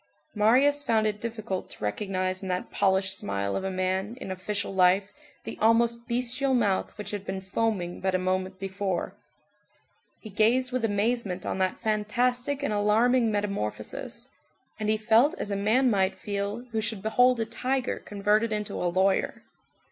Marius found it difficult to recognize in that polished smile of a man in official life the almost bestial mouth which had been foaming but a moment before; he gazed with amazement on that fantastic and alarming metamorphosis, and he felt as a man might feel who should behold a tiger converted into a lawyer.